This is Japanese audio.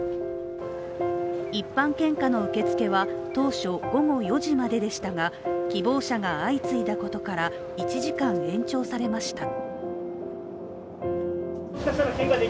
一般献花の受け付けは、当初午後４時まででしたが、希望者が相次いだことから１時間延長されました。